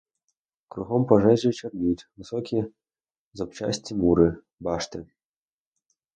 Кругом пожежі чорніють високі зубчасті мури, башти.